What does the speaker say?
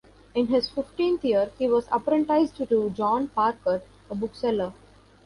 In his fifteenth year he was apprenticed to John Parker, a bookseller.